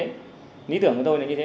nghĩ tưởng của tôi là như thế